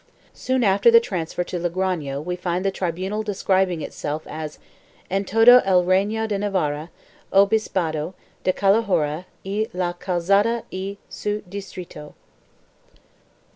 Soon after the transfer to Logrono we find the tribunal describing itself as " en todo el Reyno de Navarra, Obispado de Calahorra y la Calzada y su distrito."